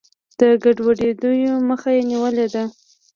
د ګډوډیو مخه یې نیولې ده.